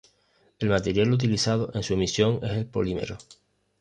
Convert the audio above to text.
El material utilizado en su emisión es el polímero.